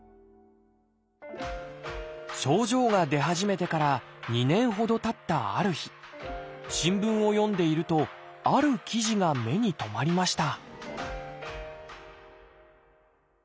症状が出始めてから２年ほどたったある日新聞を読んでいるとある記事が目に留まりました